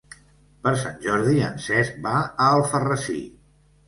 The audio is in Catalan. Per Sant Jordi en Cesc va a Alfarrasí.